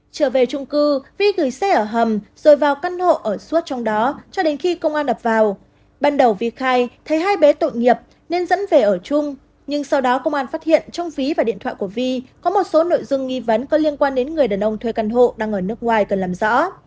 trở về trung cư vi gửi xe ở hầm rồi vào căn hộ ở suốt trong đó cho đến khi công an đập vào ban đầu vi khai thấy hai bé tội nghiệp nên dẫn về ở chung nhưng sau đó công an phát hiện trong ví và điện thoại của vi có một số nội dung nghi vấn có liên quan đến người đàn ông thuê căn hộ đang ở nước ngoài cần làm rõ